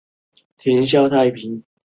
该物种的模式产地在福建崇安。